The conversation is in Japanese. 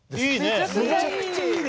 めちゃくちゃいい。